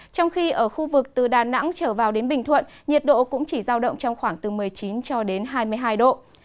trong khi ở khu vực từ đà nẵng trở vào đến bình thuận nhiệt độ cũng chỉ giao động trong khoảng từ một mươi chín cho đến hai mươi hai độ